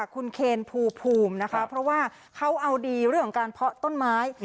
คุณเคนภูมินะคะเพราะว่าเขาเอาดีเรื่องของการเพาะต้นไม้